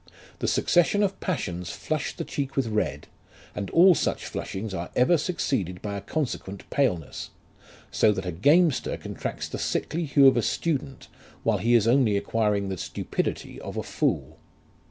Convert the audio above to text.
The succession of passions flush the cheek with red, and all such flushings are ever succeeded by consequent paleness ; so that a gamester contracts the sickly hue of a student, while he is only acquiring the stupidity of a fool.